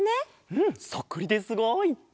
うんそっくりですごい！